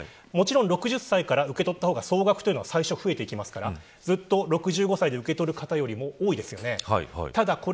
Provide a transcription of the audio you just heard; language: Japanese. もちろん６０歳から受け取った方が総額というのは増えていきますからずっと６５歳で受け取る方よりも多いです。